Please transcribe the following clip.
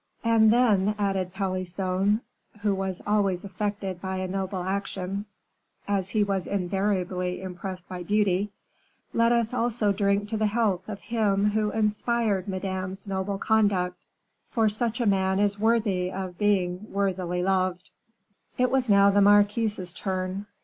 "And then," added Pelisson, who was always affected by a noble action, as he was invariably impressed by beauty, "let us also drink to the health of him who inspired madame's noble conduct; for such a man is worthy of being worthily loved." It was now the marquise's turn.